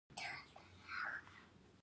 سیندونه د افغانستان د طبعي سیسټم توازن ساتي.